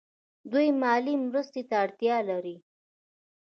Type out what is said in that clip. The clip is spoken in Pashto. دوی مالي مرستې ته اړتیا لري.